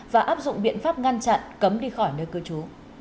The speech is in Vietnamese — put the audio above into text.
và áp dụng biện pháp ngăn chặn cấm đi khỏi nơi cư trú